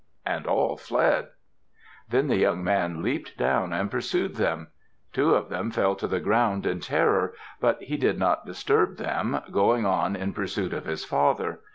And all fled. Then the young man leaped down and pursued them. Two of them fell to the ground in terror, but he did not disturb them, going on in pursuit of his father.